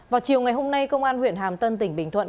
vào chiều ngày hôm nay công an huyện hàm tân tỉnh bình thuận